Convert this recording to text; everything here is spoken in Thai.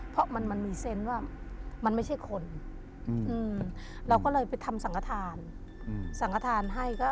เพราะสนใจว่ามันมันไม่ใช่คน